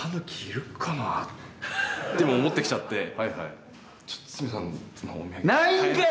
こう思ってきちゃって。